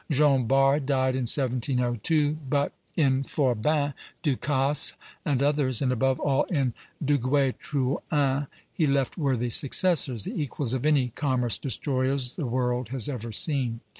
Jean Bart died in 1702; but in Forbin, Du Casse, and others, and above all in Duguay Trouin, he left worthy successors, the equals of any commerce destroyers the world has ever seen.